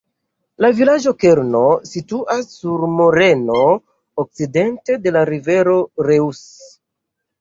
La vilaĝo-kerno situas sur moreno okcidente de la rivero Reuss.